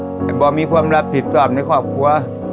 แต่บ่มีความรับผิดชอบในครอบครัว